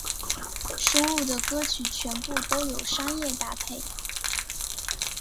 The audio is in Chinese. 收录的歌曲全部都有商业搭配。